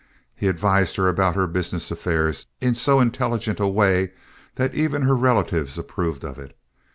He advised her about her business affairs in so intelligent a way that even her relatives approved of it.